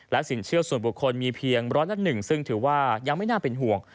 สินเชื่อส่วนบุคคลมีเพียงร้อยละ๑ซึ่งถือว่ายังไม่น่าเป็นห่วง